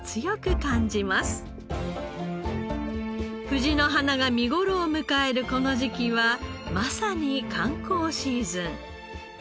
藤の花が見頃を迎えるこの時期はまさに観光シーズン。